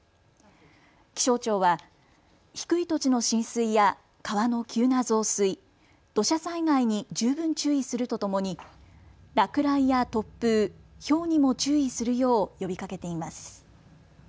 気象庁は低い土地の浸水や川の急な増水、土砂災害に十分注意するとともに落雷や突風、ひょうにも注意するよう呼びかけています。